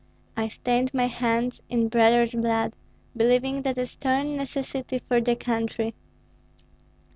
I stained my hands in brothers' blood, believing that a stern necessity for the country.